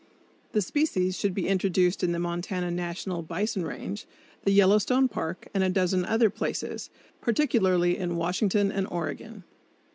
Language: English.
The species should be introduced in the Montana National Bison Range, the Yellowstone Park, and a dozen other places, particularly in Washington and Oregon.